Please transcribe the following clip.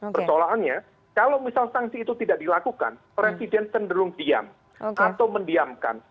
persoalannya kalau misal sanksi itu tidak dilakukan presiden cenderung diam atau mendiamkan